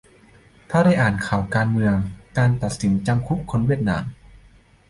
แต่ถ้าได้อ่านข่าวการเมือง การตัดสินจำคุกคนเวียดนาม